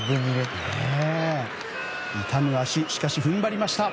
痛む足、しかし踏ん張りました。